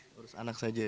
ngurus anak saja ya